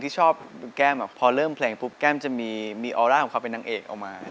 จะปุ่มกันในท่าอนุมัย